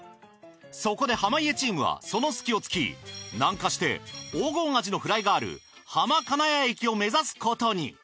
そこで濱家チームはその隙をつき南下して黄金アジのフライがある浜金谷駅を目指すことに。